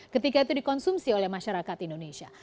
ketika itu dikonsumsi oleh masyarakat indonesia